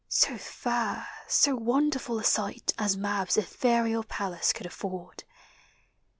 So fair, so wonderful a sight As Mab's ethereal palace could afford.